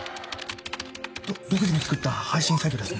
独自に作った配信サイトですね。